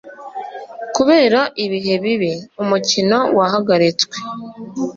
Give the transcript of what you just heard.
kubera ibihe bibi, umukino wahagaritswe.